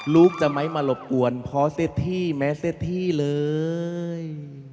ลูกจะไม่มาหลบอวนเพราะเซธี่แม่เซธี่เลย